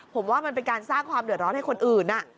ผมว่ามันเป็นการสร้างความเดือดร้อนให้คนอื่น